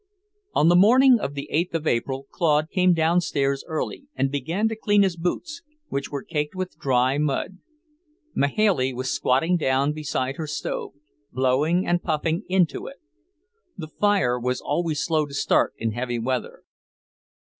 On the morning of the eighth of April Claude came downstairs early and began to clean his boots, which were caked with dry mud. Mahailey was squatting down beside her stove, blowing and puffing into it. The fire was always slow to start in heavy weather.